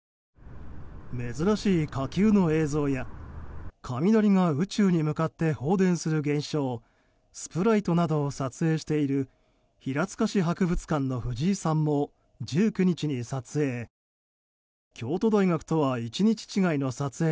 珍しい火球の映像や雷が宇宙に向かって放電する現象スプライトなどを撮影している平塚市博物館の藤井さんも１９日に撮影。